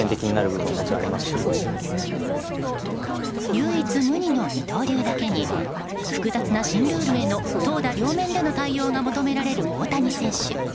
唯一無二の二刀流だけに複雑な新ルールへの投打両面での対応が求められる大谷選手。